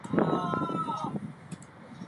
He was predeceased by his wife.